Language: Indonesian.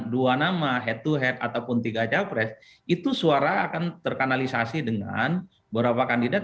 dua nama head to head ataupun tiga capres itu suara akan terkanalisasi dengan beberapa kandidat